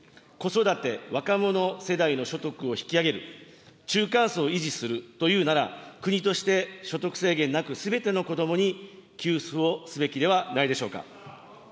子育て・若者世代の所得を引き上げる、中間層を維持するというならば、国として所得制限なく、すべての子どもに給付をすべきではないでしょうか。